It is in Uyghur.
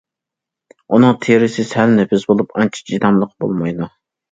ئۇنىڭ تېرىسى سەل نېپىز بولۇپ، ئانچە چىداملىق بولمايدۇ.